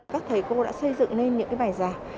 các thầy cô đã xây dựng lên những bài giảng